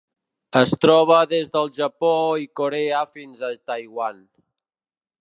Es troba des del Japó i Corea fins a Taiwan.